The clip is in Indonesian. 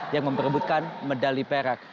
yang memperebutkan medali perak